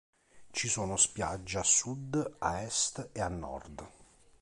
Ci sono spiagge a sud, a est e a nord.